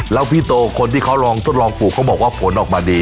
แล้วพี่โตคนที่เขาลองทดลองปลูกเขาบอกว่าผลออกมาดี